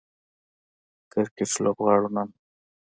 کرکټ لوبغاړو نن